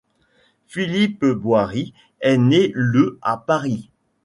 Philippe Boiry est né le à Paris.